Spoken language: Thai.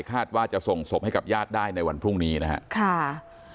คาดว่าจะส่งศพให้กับญาติได้ในวันพรุ่งนี้นะครับ